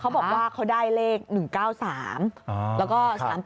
เขาบอกว่าเขาได้เลข๑๙๓แล้วก็๓๘